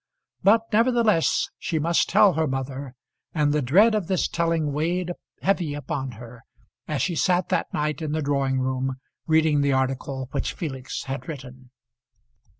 But nevertheless she must tell her mother, and the dread of this telling weighed heavy upon her as she sat that night in the drawing room reading the article which Felix had written.